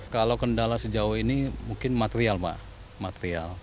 kalau kendala sejauh ini mungkin material pak material